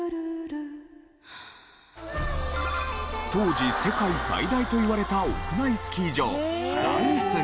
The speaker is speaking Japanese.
当時世界最大といわれた屋内スキー場ＳＳＡＷＳが。